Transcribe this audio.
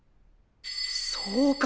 そうか！